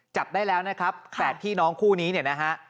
จับได้แล้วนะครับ๘พี่น้องคู่นี้เนี่ยนะฮะ